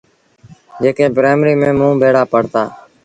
جيڪي پرآئيمريٚ ميݩ موݩ ڀيڙآ پڙهتآ۔